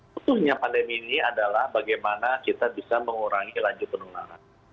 butuhnya pandemi ini adalah bagaimana kita bisa mengurangi laju penularan